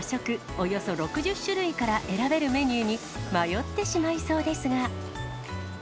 およそ６０種類から選べるメニューに迷ってしまいそうですが。